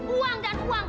uang dan uang